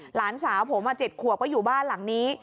หลานสาวผม๗ขวบก็อยู่บ้านหลังนี้